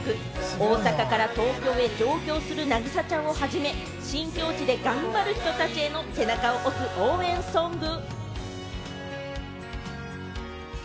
大阪から東京へ上京する凪咲ちゃんをはじめ、新境地で頑張る人たちの背中を押す応援ソング。